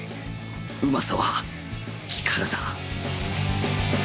うまさは力だ